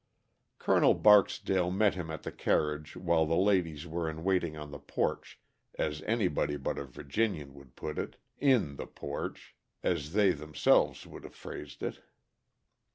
Col. Barksdale met him at the carriage while the ladies were in waiting on the porch, as anybody but a Virginian would put it in the porch, as they themselves would have phrased it.